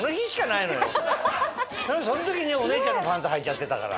なのにその時にお姉ちゃんのパンツはいちゃってたから。